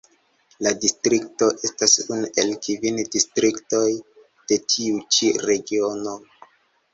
La distrikto estas unu el kvin distriktoj de tiu ĉi Regiono.